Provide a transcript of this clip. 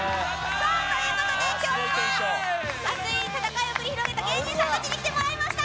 きょうは熱い戦いを繰り広げた芸人さんたちに来てもらいました！